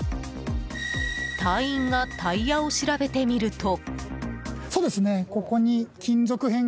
隊員がタイヤを調べてみると。